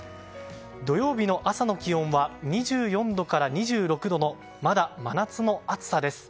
土曜日の朝の気温は２４度から２６度のまだ真夏の暑さです。